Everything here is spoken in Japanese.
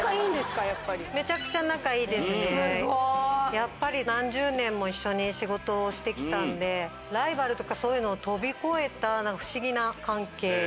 やっぱり何十年も一緒に仕事をして来たんでライバルとかそういうのを飛び越えた。